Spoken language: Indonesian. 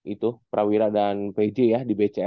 itu prawira dan pj ya di bca